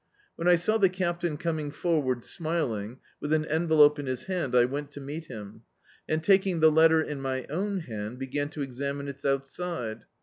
When I saw the Captain coming forward, smiling, with an en velope in his hand, I went to meet him, and, taking the letter in my own hand, began to examine its outside.